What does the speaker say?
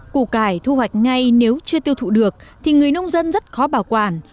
củ cải thu hoạch ngay nếu chưa tiêu thụ được thì người nông dân rất khó bảo quản